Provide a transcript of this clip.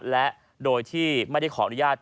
และโดยที่ไม่ได้ขออนุญาต